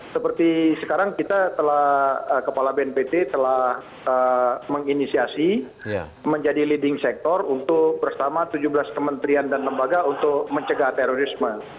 seperti sekarang kita telah kepala bnpt telah menginisiasi menjadi leading sector untuk bersama tujuh belas kementerian dan lembaga untuk mencegah terorisme